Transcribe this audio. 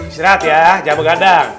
istirahat ya jangan bergadang